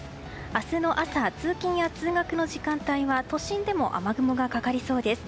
明日の朝、通勤や通学の時間帯は都心でも雨雲がかかりそうです。